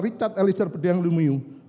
richard elisir bediang mulyumiung